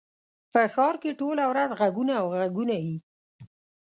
په ښار کښي ټوله ورځ ږغونه او ږغونه يي.